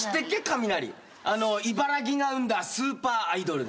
茨城が生んだスーパーアイドルだよ。